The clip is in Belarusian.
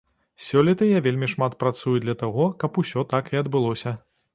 Сёлета я вельмі шмат працую для таго, каб усё так і адбылося.